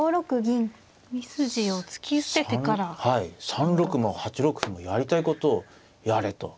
３六も８六歩もやりたいことをやれと。